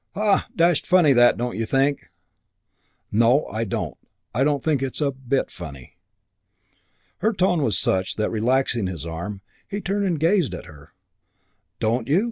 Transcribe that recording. Ha! Dashed funny that, don't you think?" "No, I don't. I don't think it's a bit funny." Her tone was such that, relaxing his arm, he turned and gazed at her. "Don't you?